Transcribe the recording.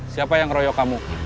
siapa yang royok kamu